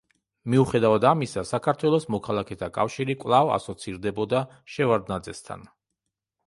მიუხედავად ამისა, საქართველოს მოქალაქეთა კავშირი კვლავ ასოცირდებოდა შევარდნაძესთან.